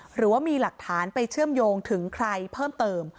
หรือว่ามีหลักฐานไปเชื่อมโยงถึงใครเพิ่มเติม